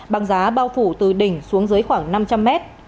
băng giá bao phủ từ đỉnh xuống dưới khoảng năm trăm linh mét